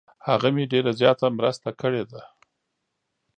هغه مې ډیر زیاته مرسته کړې ده.